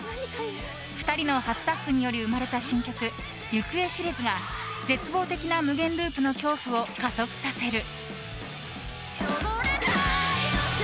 ２人の初タッグにより生まれた新曲「行方知れず」が絶望的な無限ループの恐怖を加速させる。